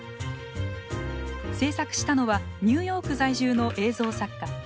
制作したのはニューヨーク在住の映像作家